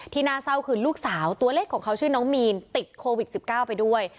น่าเศร้าคือลูกสาวตัวเล็กของเขาชื่อน้องมีนติดโควิด๑๙ไปด้วย